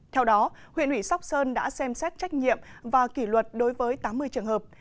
theo đó huyện ủy sóc sơn đã xem xét trách nhiệm và kỷ luật đối với tám mươi trường hợp